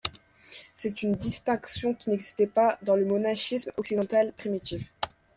C’est une distinction qui n’existait pas dans le monachisme occidental primitif.